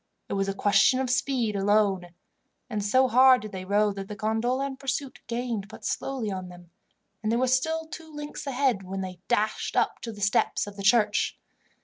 It was a question of speed alone, and so hard did they row that the gondola in pursuit gained but slowly on them, and they were still two lengths ahead when they dashed up to the steps of the church.